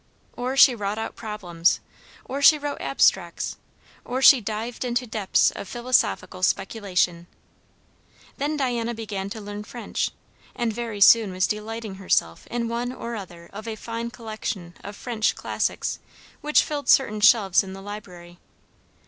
Or she wrought out problems; or she wrote abstracts; or she dived into depths of philosophical speculation. Then Diana began to learn French, and very soon was delighting herself in one or other of a fine collection of French classics which filled certain shelves in the library.